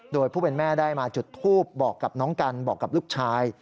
โดยผู้เป็นแม่ได้มาจุดทูปบอกกับน้องกันบอกกับลูกชาย